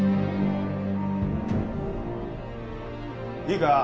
いいか？